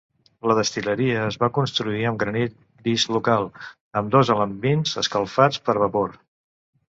La destil·leria es va construir amb granit gris local, amb dos alambins escalfats per vapor.